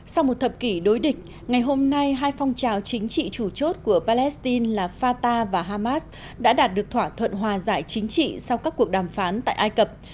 sau một thập kỷ đối địch ngày hôm nay hai phong trào chính trị chủ chốt của palestine là fata và hamas đã đạt được thỏa thuận hòa giải chính trị sau các cuộc đàm phán tại ai cập